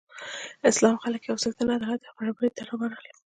اسلام خلک یو څښتن، عدالت او برابرۍ ته رابلل.